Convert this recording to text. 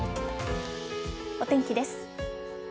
お天気です。